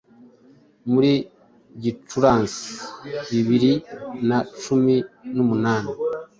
muri Gicurasi bibiri na cumi numani